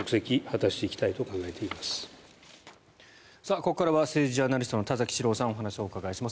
ここからは政治ジャーナリストの田崎史郎さんにお話をお伺いします。